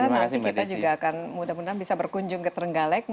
nanti kita juga akan mudah mudahan bisa berkunjung ke trenggalek